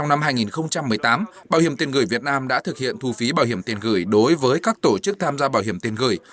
năm hai nghìn một mươi tám bảo hiểm tiền gửi việt nam đã thực hiện thu phí bảo hiểm tiền gửi đối với các tổ chức tham gia bảo hiểm tiền gửi